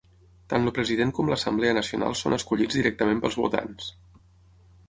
Tant el president com l'Assemblea Nacional són escollits directament pels votants.